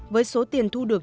với số tiền thu được